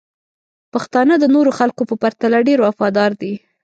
پښتانه د نورو خلکو په پرتله ډیر وفادار دي.